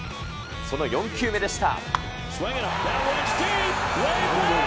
その４球目でした。